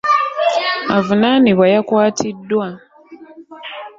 Avunaanibwa yakwatiddwa.